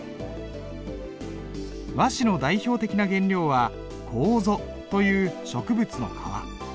和紙の代表的な原料は楮という植物の皮。